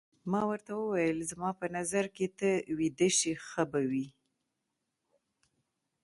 ما ورته وویل: زما په نظر که ته ویده شې ښه به وي.